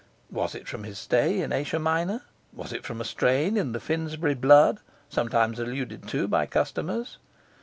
Was it from his stay in Asia Minor? Was it from a strain in the Finsbury blood sometimes alluded to by customers?